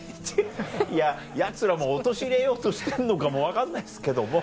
いやヤツらも陥れようとしてるのかも分かんないですけども。